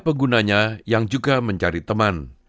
penggunanya yang juga mencari teman